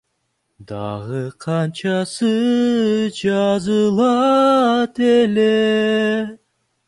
Дагы канчасы жазылат эле.